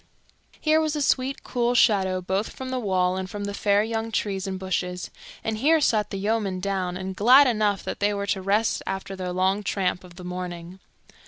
Here was a sweet cool shadow both from the wall and from the fair young trees and bushes, and here sat the yeomen down, and glad enough they were to rest after their long tramp of the morning.